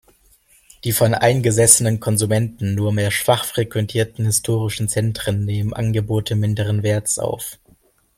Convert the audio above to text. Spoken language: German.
Die von eingesessenen Konsumenten nurmehr schwach frequentierten historischen Zentren nehmen Angebote minderen Werts auf.